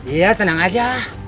iya tenang aja